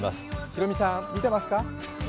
ヒロミさん、見てますか？